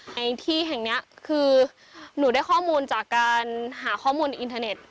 ในที่แห่งนี้คือหนูได้ข้อมูลจากการหาข้อมูลในอินเทอร์เน็ต